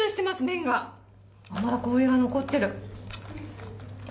まだ氷が残ってる。